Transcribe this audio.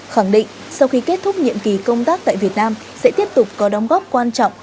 khẳng định sau khi kết thúc nhiệm kỳ công tác tại việt nam sẽ tiếp tục có đóng góp quan trọng